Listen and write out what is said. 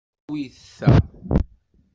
Awit ta.